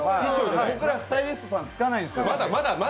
僕らスタイリストさんつかないんですよ。